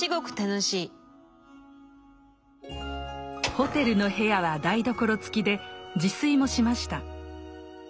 ホテルの部屋は台所付きで自炊もしました。